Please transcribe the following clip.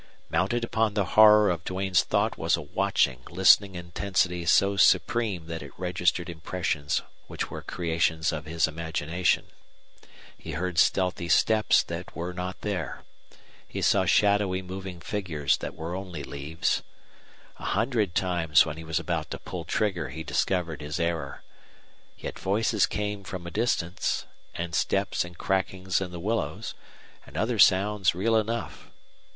Mounted upon the horror of Duane's thought was a watching, listening intensity so supreme that it registered impressions which were creations of his imagination. He heard stealthy steps that were not there; he saw shadowy moving figures that were only leaves. A hundred times when he was about to pull trigger he discovered his error. Yet voices came from a distance, and steps and crackings in the willows, and other sounds real enough.